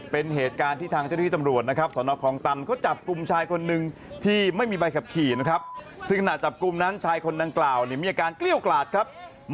เป็นเหตุการณ์ที่ทางเจริธีตำรวจนะครับศนคลองตันก็จับกลุ่มชายคนนึงที่ไม่มีใบขับขี่นะครับ